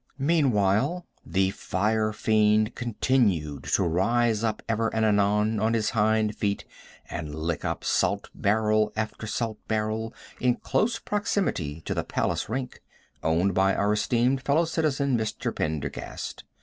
Meantime the firefiend continued to rise up ever and anon on his hind feet and lick up salt barrel after salt barrel in close proximity to the Palace rink, owned by our esteemed fellow citizen, Mr. Pendergast.